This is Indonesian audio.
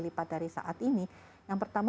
lipat dari saat ini yang pertama